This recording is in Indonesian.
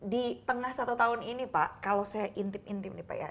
di tengah satu tahun ini pak kalau saya intip intim nih pak ya